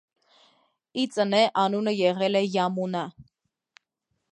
Ի ծնե անունը եղել է Յամունա։